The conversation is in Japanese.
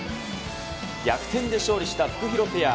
逆転で勝利したフクヒロペア。